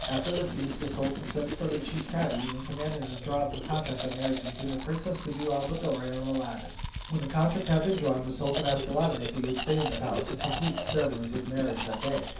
After the feast the sultan sent for the chief cadi, and commanded him to draw up a contract of marriage between the Princess Buddir al Buddoor and Aladdin. When the contract had been drawn, the sultan asked Aladdin if he would stay in the palace and complete the ceremonies of the marriage that day.